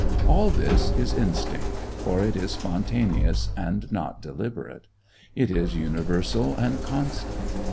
All this is instinct for it is spontaneous and not deliberate; it is universal and constant.